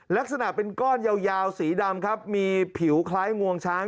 ลักษณะเป็นก้อนยาวสีดำครับมีผิวคล้ายงวงช้าง